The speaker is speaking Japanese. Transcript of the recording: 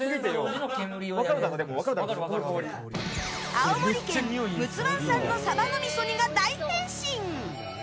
青森県陸奥湾産の鯖の味噌煮が大変身！